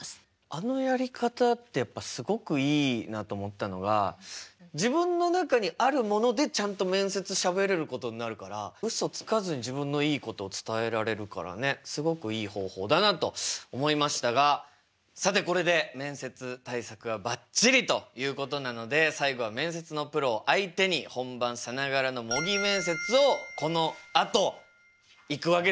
あのやり方ってやっぱすごくいいなと思ったのが自分の中にあるものでちゃんと面接しゃべれることになるからうそつかずに自分のいいことを伝えられるからねすごくいい方法だなと思いましたがさてこれで面接対策はばっちりということなので最後は面接のプロを相手に本番さながらの模擬面接をこのあといくわけですよね。